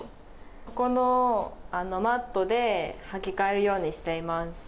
ここのマットで履き替えるようにしています。